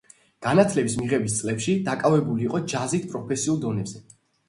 განათლების მიღების წლებში, დაკავებული იყო ჯაზით პროფესიულ დონეზე.